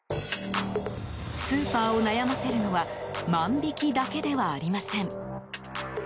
スーパーを悩ませるのは万引きだけではありません。